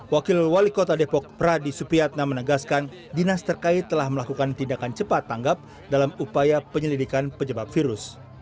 wakil wali kota depok pradi supiatna menegaskan dinas terkait telah melakukan tindakan cepat tanggap dalam upaya penyelidikan penyebab virus